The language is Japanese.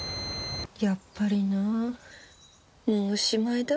やっぱりなもうおしまいだ。